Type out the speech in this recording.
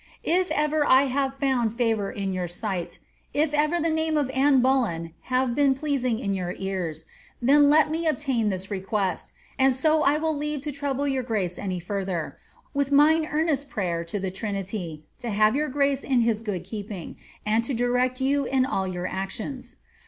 •* If ever 1 have found favour in ymir sight — if ever the name of Anne Bnlen hsTe been pleasing in your ears — then let me obtain this request ; and so I will leave to trouble your gnice any further: with mine earnest prayer to the Trinity to have your grace in his good keeping, and to direct you in ail your actions.